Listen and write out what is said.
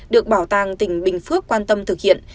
được bảo tàng tỉnh bình phước quan tâm thực hiện